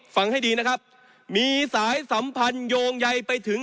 ฟังให้ดีนะครับมีสายสัมพันธ์โยงใยไปถึง